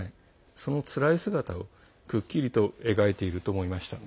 そのつらい姿をくっきりと描いていると思いました。